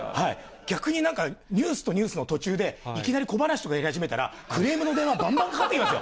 逆になんか、ニュースとニュースの途中で、いきなり小ばなし入れ始めたら、クレームの電話、ばんばんかかってきますよ。